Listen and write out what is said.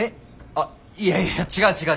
あいやいや違う違う。